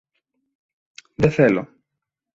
Δε θέλω